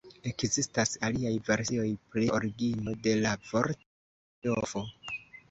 Ekzistas aliaj versioj pri origino de la vorto Marjovo.